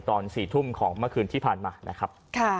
ตอน๔ทุ่มของเมื่อคืนที่ผ่านมานะครับ